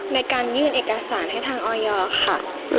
ในการยื่นเอกสารให้ทางออยค่ะ